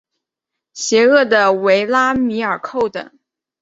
邪恶的维拉米尔寇等。